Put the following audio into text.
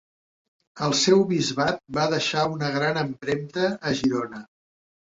El seu bisbat va deixar una gran empremta a Girona.